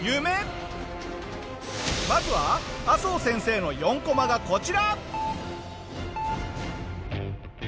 まずは麻生先生の４コマがこちら！